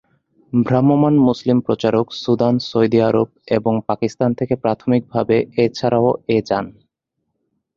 ভ্রাম্যমাণ মুসলিম প্রচারক, সুদান, সৌদি আরব, এবং পাকিস্তান থেকে প্রাথমিকভাবে, এছাড়াও এ যান।